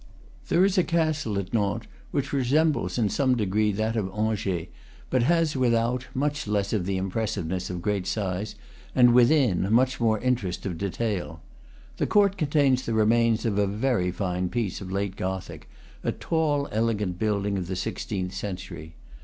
There is a castle at Nantes which resembles in some degree that of Angers, but has, without, much less of the impressiveness of great size, and, within, much more interest of detail. The court contains the remains of a very fine piece of late Gothic, a tall ele gant building of the sixteenth century.